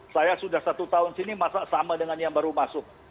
saya sudah satu tahun sini sama dengan yang baru masuk